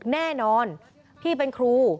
แน่นอนพี่เป็นครู